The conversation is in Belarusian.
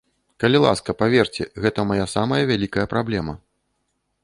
Калі ласка, паверце, гэта мая самая вялікая праблема.